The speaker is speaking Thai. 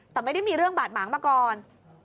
แต่ไม่ได้มีเรื่องบาดหมางมาก่อน